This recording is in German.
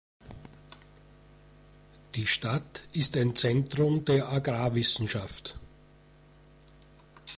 Die Stadt ist ein Zentrum der Agrarwissenschaft.